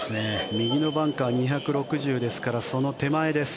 右のバンカー２６０ですからその手前です。